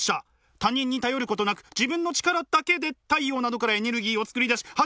他人に頼ることなく自分の力だけで太陽などからエネルギーを作り出し走ることができます。